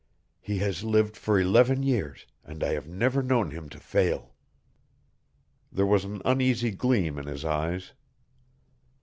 He has lived for eleven years and I have never known him to fail." There was an uneasy gleam in his eyes.